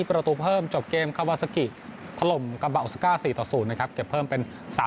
เรนโด